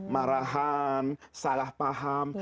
marahan salah paham